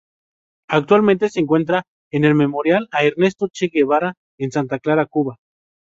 Actualmente se encuentran en el Memorial a Ernesto Che Guevara, en Santa Clara, Cuba.